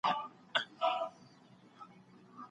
املا د سواد روښانه مشعل دی.